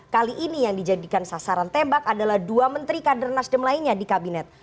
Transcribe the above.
kali ini yang dijadikan sasaran tembak adalah dua menteri kader nasdem lainnya di kabinet